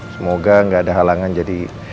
semoga gak ada halangan jadi